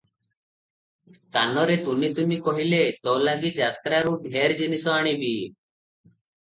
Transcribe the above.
କାନରେ ତୁନି ତୁନି କହିଲେ, "ତୋ ଲାଗି ଯାତ୍ରାରୁ ଢେର ଜିନିଷ ଆଣିବି ।"